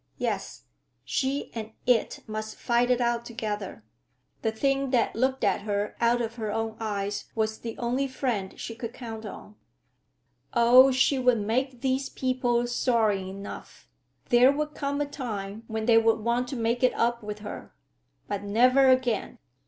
Yes, she and It must fight it out together. The thing that looked at her out of her own eyes was the only friend she could count on. Oh, she would make these people sorry enough! There would come a time when they would want to make it up with her. But, never again!